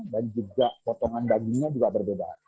juga potongan dagingnya juga berbeda